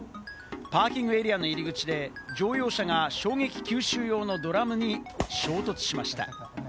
パーキングエリアの入り口で、乗用車が衝撃吸収用のドラムに衝突しました。